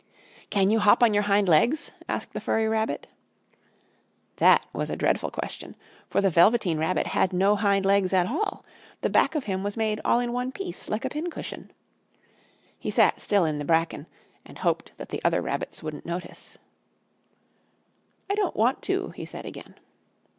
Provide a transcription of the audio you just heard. "Can you hop on your hind legs?" asked the furry rabbit. That was a dreadful question, for the Velveteen Rabbit had no hind legs at all! The back of him was made all in one piece, like a pincushion. He sat still in the bracken, and hoped that the other rabbits wouldn't notice. "I don't want to!" he said again.